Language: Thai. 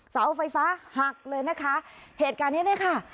เสาไฟฟ้าหักเลยนะคะเหตุการณ์เนี้ยค่ะ